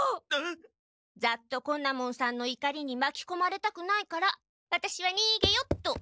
雑渡昆奈門さんのいかりにまきこまれたくないからワタシはにげよっと！